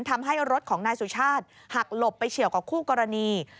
ทำให้รถของนายสุชาติหักหลบไปเฉียวกับคู่กรณี